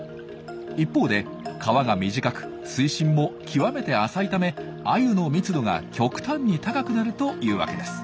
一方で川が短く水深も極めて浅いためアユの密度が極端に高くなるというわけです。